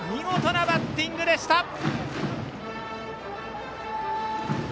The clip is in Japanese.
ナイスバッティングでしたね。